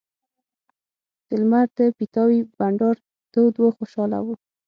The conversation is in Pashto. د لمر د پیتاوي بنډار تود و خوشاله وو.